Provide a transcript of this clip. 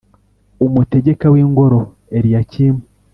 Umutegeka w’ingoro Eliyakimu,